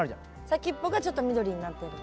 先っぽがちょっと緑になってる。